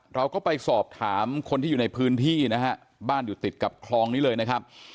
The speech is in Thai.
เราก็ไปสอบถามคนที่อยู่ในพื้นที่นะฮะบ้านอยู่ติดกับคลองนี้เลยนะครับ